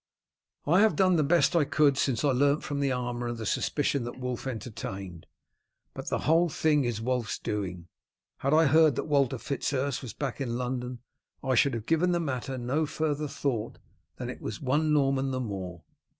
"I have done the best I could since I learnt from the armourer the suspicion that Wulf entertained, but the whole thing is Wulf's doing. Had I heard that Walter Fitz Urse was back in London I should have given the matter no further thought than that it was one Norman the more.